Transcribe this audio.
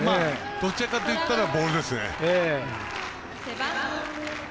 どちらかといったらボールですね。